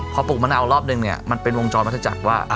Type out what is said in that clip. พอปลูกมะนาวรอบหนึ่งมันเป็นวงจรมาจากว่า